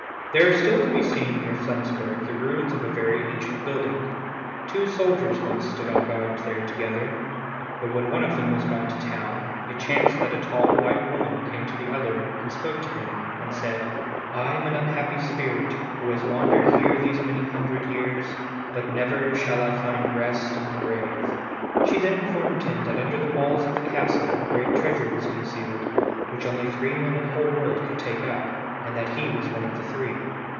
There are still to be seen near Flensborg the ruins of a very ancient building. Two soldiers once stood on guard there together, but when one of them was gone to the town, it chanced that a tall white woman came to the other, and spoke to him, and said "I am an unhappy spirit, who has wandered here these many hundred years, but never shall I find rest in the grave." She then informed him that under the walls of the castle a great treasure was concealed, which only three men in the whole world could take up, and that he was one of the three.